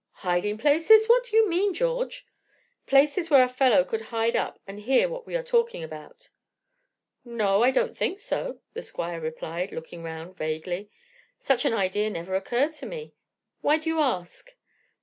"Hiding places! What do you mean, George?" "Places where a fellow could hide up and hear what we are talking about." "No, I don't think so," the Squire replied, looking round vaguely. "Such an idea never occurred to me. Why do you ask?"